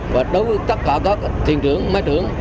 và đối với tất cả các thiền trưởng máy trưởng